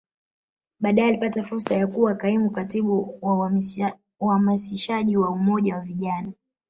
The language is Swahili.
Baadae alipata fursa ya kuwa Kaimu Katibu wa Uhamasishaji wa Umoja wa Vijana